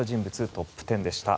トップ１０でした。